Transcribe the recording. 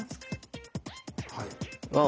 はい。